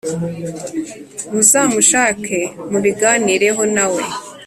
muzamushake mubiganireho na we